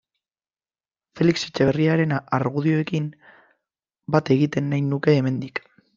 Felix Etxeberriaren argudioekin bat egin nahi nuke hemendik.